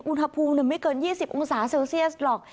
อุณหภูมิไม่เกิน๒๐องศาเซลเซียสหรอก